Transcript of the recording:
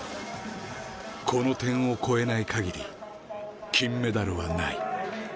この点を超えないかぎり金メダルはない。